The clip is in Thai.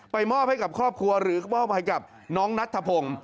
มอบให้กับครอบครัวหรือมอบให้กับน้องนัทธพงศ์